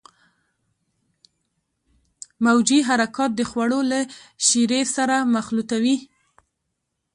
موجي حرکات د خوړو له شیرې سره مخلوطوي.